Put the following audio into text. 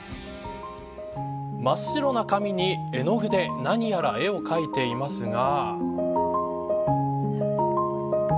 真っ白な紙に絵の具で何やら絵を描いていますが。